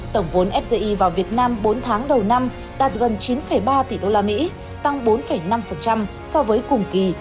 tổng vốn fdi vào việt nam bốn tháng đầu năm đạt gần chín ba tỷ usd tăng bốn năm so với cùng kỳ